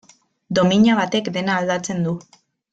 Domina batek dena aldatzen du.